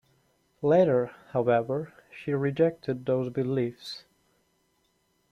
Later, however, she rejected those beliefs.